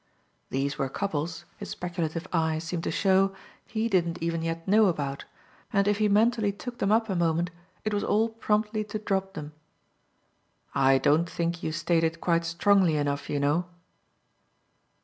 These were couples, his speculative eye seemed to show, he didn't even yet know about, and if he mentally took them up a moment it was all promptly to drop them. "I don't think you state it quite strongly enough, you know."